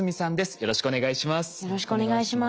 よろしくお願いします。